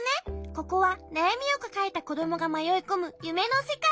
ここはなやみをかかえたこどもがまよいこむゆめのせかいなの。